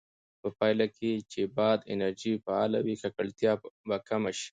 په پایله کې چې باد انرژي فعاله وي، ککړتیا به کمه شي.